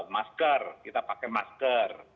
masker kita pakai masker